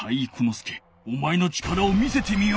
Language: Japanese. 介おまえの力を見せてみよ！